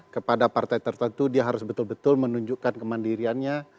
kepada partai tertentu dia harus betul betul menunjukkan kemandiriannya